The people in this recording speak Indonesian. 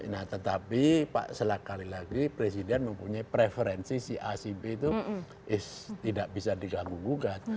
nah tetapi pak setelah kali lagi presiden mempunyai preferensi si acb itu tidak bisa digagung gugat